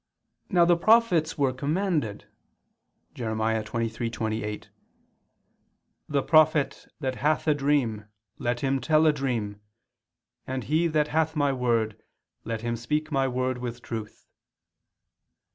Now the prophets were commanded (Jer. 23:28): "The prophet that hath a dream, let him tell a dream; and he that hath My word, let him speak My word with truth."